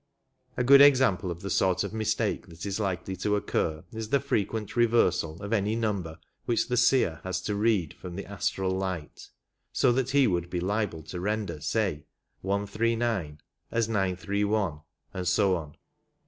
A good example of the sort of mistake that is likely to occur is the frequent reversal of any number which the seer has to read from the astral light, so that he would be liable to render, say, 139 as 931, and so on.